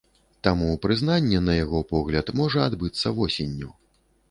Таму прызнанне, на яго погляд, можа адбыцца восенню.